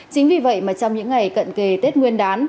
chính vì vậy mà trong những ngày cận kề tết nguyên đán